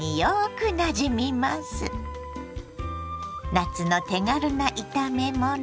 夏の手軽な炒めもの。